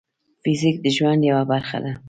فزیک د ژوند یوه برخه ده.